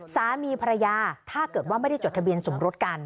สามีภรรยาถ้าเกิดว่าไม่ได้จดทะเบียนสมรสกัน